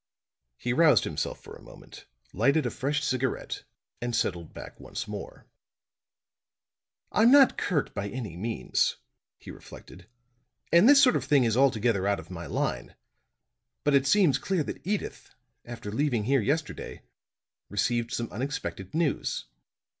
He roused himself for a moment, lighted a fresh cigarette and settled back once more. "I'm not Kirk by any means," he reflected, "and this sort of thing is altogether out of my line. But it seems clear that Edyth after leaving here yesterday received some unexpected news.